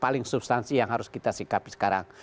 paling substansi yang harus kita sikapi sekarang